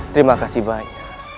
terima kasih banyak